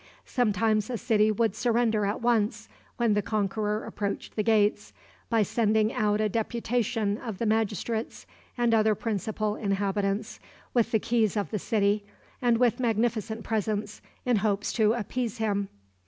Sometimes a city would surrender at once, when the conqueror approached the gates, by sending out a deputation of the magistrates and other principal inhabitants with the keys of the city, and with magnificent presents, in hopes to appease him.